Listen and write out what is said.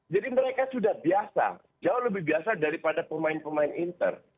jadi mereka sudah biasa jauh lebih biasa daripada pemain pemain inter